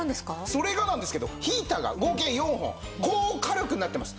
それがなんですけどヒーターが合計４本高火力になっています。